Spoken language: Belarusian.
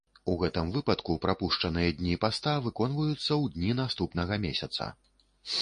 У гэтым выпадку прапушчаныя дні паста выконваюцца ў дні наступнага месяца.